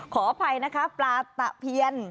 ขออภัยนะคะปลาตะเพียน